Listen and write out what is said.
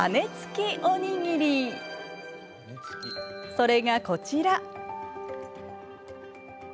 それが、こちら。